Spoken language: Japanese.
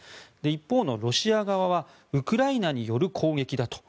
一方のロシア側はウクライナによる攻撃だと。